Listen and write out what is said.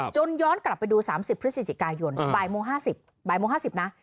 จนย้อนกลับไปดู๓๐พฤศจิกายนบ่ายโมง๕๐นะ